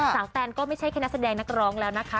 แตนก็ไม่ใช่แค่นักแสดงนักร้องแล้วนะคะ